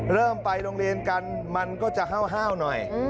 เริ่มไปโรงเรียนกันมันก็จะห้าวหน่อย